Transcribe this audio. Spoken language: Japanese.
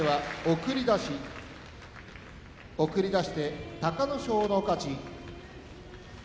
送り出して隆の勝の勝ち。